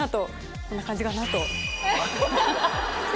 こんな感じかな？と。